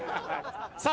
さあ